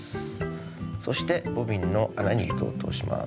そしてボビンの穴に糸を通します。